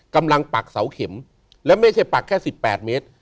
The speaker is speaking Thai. กำลังปักเสาเข็มและไม่ใช่ปักแค่สิบแปดเมตร